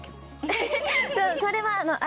それは。